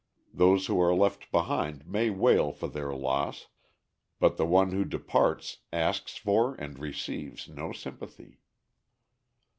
Those who are left behind may wail for their loss, but the one who departs asks for and receives no sympathy.